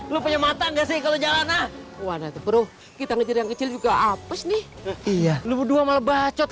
lu punya mata enggak sih kalau jalan ah waduh kita kecil juga apes nih iya lu dua malah bacot